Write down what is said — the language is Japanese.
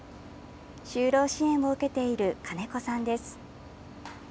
就労支援を受けている金子さんです。